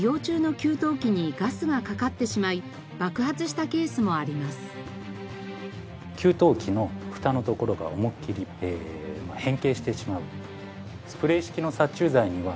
給湯器のフタのところが思いっきり変形してしまう。